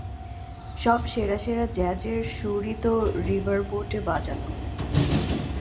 সব সেরা সেরা জ্যাজের সুরই তো রিভারবোটে বাজানো হয়।